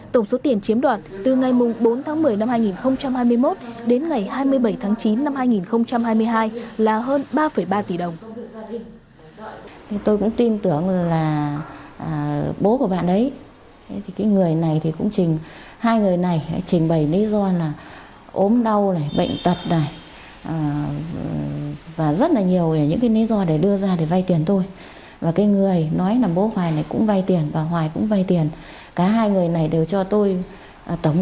tổng số tiền chiếm đoạt từ ngày bốn tháng một mươi năm hai nghìn hai mươi một đến ngày hai mươi bảy tháng chín năm hai nghìn hai mươi hai là hơn ba ba tỷ đồng